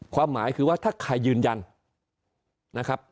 ความหมายคือว่าถ้าใครยืนยันนะครับ